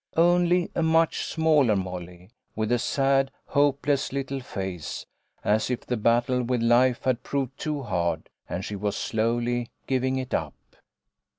Only a much smaller Molly, with a sad, hopeless little face, as if the battle with life had proved too hard, and she was slowly giving it up.